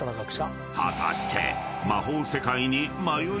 ［果たして］